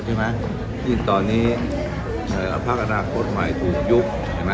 สิ่งที่ยินตอนนี้ภารกฤษนาโคตรใหม่สู่ยุค